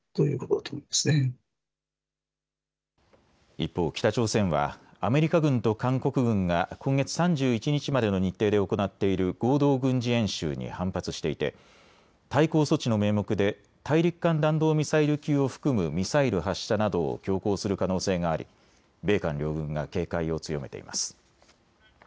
一方、北朝鮮はアメリカ軍と韓国軍が今月３１日までの日程で行っている合同軍事演習に反発していて対抗措置の名目で大陸間弾道ミサイル級を含むミサイル発射などを強行する可能性があり米韓両軍が警戒を強めています。